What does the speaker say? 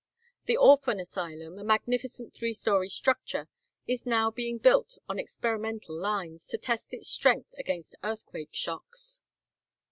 The orphan asylum, a magnificent three story structure, is now being built on experimental lines, to test its strength against earthquake shocks.